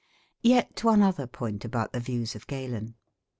Yet one other point about the views of Galen.